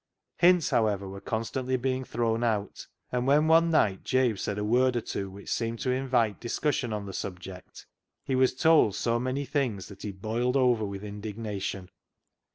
Hints, however, were constantly being thrown out, and when one night Jabe said a word or two which seemed to invite discussion on the subject, he was told so many things that he boiled over with indignation.